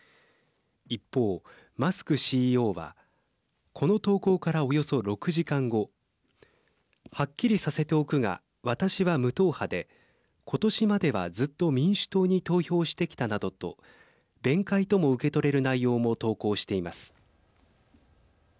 一方、マスクＣＥＯはこの投稿から、およそ６時間後はっきりさせておくが私は無党派で今年まではずっと民主党に投票してきたなどと弁解とも受け取れる内容も投稿しています。